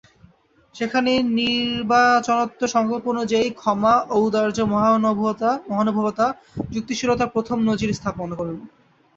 সেখানেই নির্বাচনোত্তর সংকল্প অনুযায়ী ক্ষমা, ঔদার্য, মহানুভবতা, যুক্তিশীলতার প্রথম নজির স্থাপন করুন।